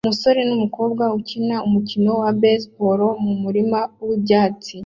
Umusore numukobwa ukina umukino wa baseball mumurima wibyatsi